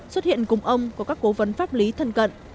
xuất hiện cùng ông có các cố vấn pháp lý thân cận